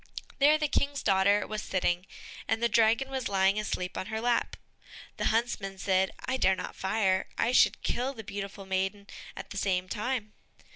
There the King's daughter was sitting, and the dragon was lying asleep on her lap. The huntsman said, "I dare not fire, I should kill the beautiful maiden at the same time."